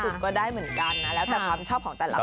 ก็ได้เหมือนกันนะแล้วแต่ความชอบของแต่ละคน